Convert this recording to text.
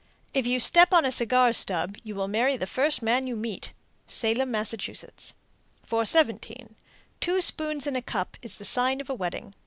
If you step on a cigar stub, you will marry the first man you meet. Salem, Mass. 417. Two spoons in a cup is the sign of a wedding.